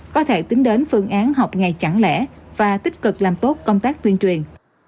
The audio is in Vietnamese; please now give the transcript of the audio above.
có thể tính đến phương án học ngày chẳng lẽ và tích cực làm tốt công tác tuyên truyền